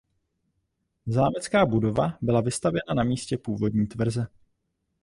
Zámecká budova byla vystavěna na místě původní tvrze.